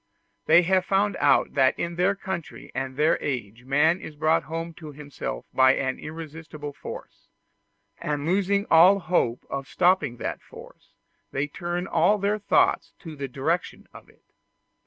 They have found out that in their country and their age man is brought home to himself by an irresistible force; and losing all hope of stopping that force, they turn all their thoughts to the direction of it.